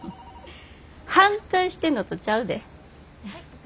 ☎反対してんのとちゃうで。